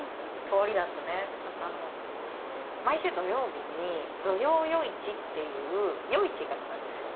そうだねえ。毎週土曜日に土曜夜市っていう夜市があったんですよ。